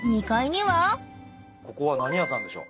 ここは何屋さんでしょう？